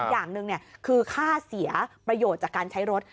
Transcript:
อย่างหนึ่งคือค่าเสียประโยชน์จากการใช้รถ